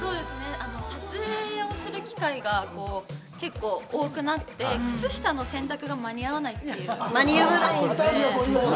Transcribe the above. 撮影をする機会が結構多くなって、靴下の洗濯が間に合わないんです。